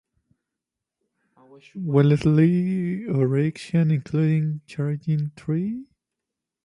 Wellesley's overreaction, including charging three rioters with attempted murder, undermined his own credibility.